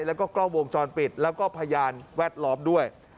แล้วก็กล้องวงจรปิดแล้วก็พยานแวดล้อมด้วย